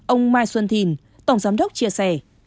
ông mai xuân thìn tổng giám đốc chia sẻ